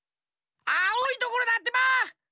あおいところだってば！